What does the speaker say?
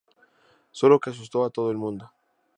Sólo que asustó a todo el mundo.